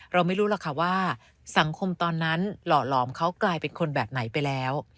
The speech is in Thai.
เราไม่รู้หรอกค่ะว่าสังคมตอนนั้นหล่อหลอมเขากลายเป็นคนแบบไหนไปแล้ว